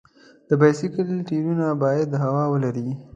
د بایسکل ټایرونه باید هوا ولري.